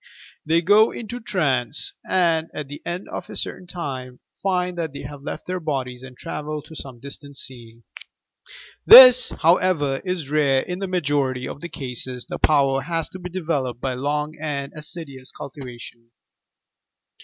They go into trance and, at the end of a certain time, find that they have left their bodies and travelled to some distant scene ! This, however, is rare : in the ma jority of cases the power has to be developed by long and assiduous cultivation.